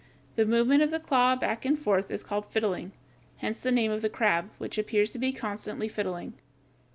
The movement of the claw back and forth is called fiddling, hence the name of the crab, which appears to be constantly fiddling.